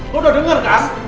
lo udah denger gak